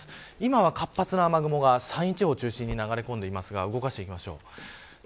今は活発な雨雲が山陰地方を中心に流れ込んでいますが動かしていきましょう。